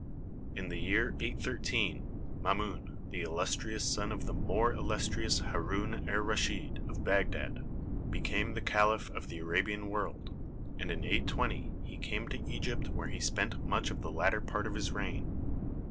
In the year 813, Mamun, the illustrious son of the more illustrious Haroun er Rashid of Bagdad, became the caliph of the Arabian world, and in 820 he came to Egypt where he spent much of the latter part of his reign.